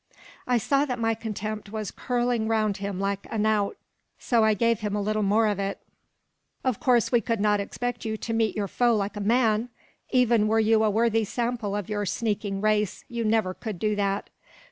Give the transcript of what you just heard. I saw that my contempt was curling round him like a knout; so I gave him a little more of it. "Of course we could not expect you to meet your foe like a man. Even were you a worthy sample of your sneaking race, you never could do that.